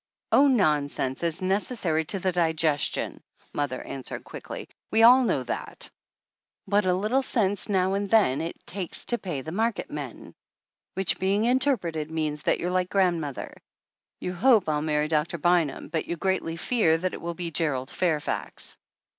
"Oh, nonsense is necessary to the digestion," mother answered quickly, "we all know that. But a littk sense, now and then, it takes to pay the market men." "Which, being interpreted, means that you're like grandmother. You hope I'll marry Doctor Bynum, but you greatly fear that it will be Gerald Fairfax!"